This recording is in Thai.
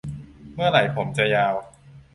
เมื่อไหร่ผมจะยาว